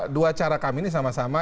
dua cara kami ini sama sama